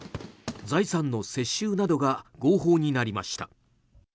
財産の接収などが合法になりました。